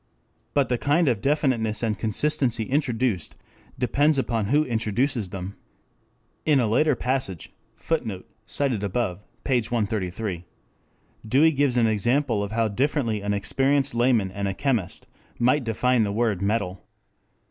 But the kind of definiteness and consistency introduced depends upon who introduces them. In a later passage [Footnote: op. cit., p. 133.] Dewey gives an example of how differently an experienced layman and a chemist might define the word metal.